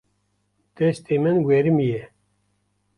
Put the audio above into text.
Destê min werimiye.